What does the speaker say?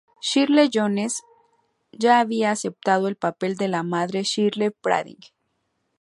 Shirley Jones ya había aceptado el papel de la madre Shirley Partridge.